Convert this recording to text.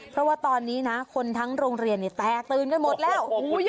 เพราะว่าตอนนี้นะคนทั้งโรงเรียนแตกตื่นกันหมดแล้ว